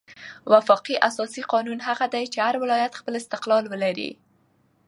وفاقي اساسي قانون هغه دئ، چي هر ولایت خپل استقلال ولري.